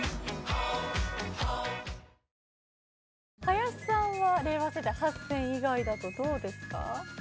林さんは令和世代８選以外だとどうですか？